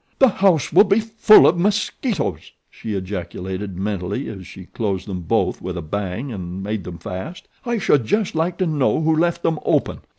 "The house will be full of mosquitoes!" she ejaculated mentally as she closed them both with a bang and made them fast. "I should just like to know who left them open.